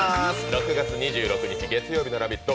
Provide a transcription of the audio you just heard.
６月２６日月曜日の「ラヴィット！」